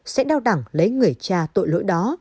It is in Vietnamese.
sẽ đau đẳng lấy người cha tội lỗi đó